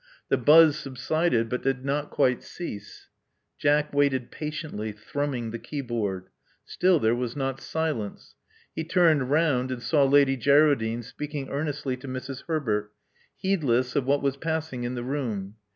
The buzz subsided, but did not quite cease. Jack waited patiently, thrumming the keyboard. Still there was not silence. He turned round, and saw Lady Geraldine speaking earnestly to Mrs. Herbert, heedless of what was passing in the room.